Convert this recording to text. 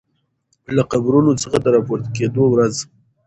له قبرونو څخه د راپورته کیدو ورځ